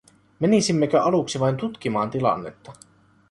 Menisimmekö aluksi vain tutkimaan tilannetta?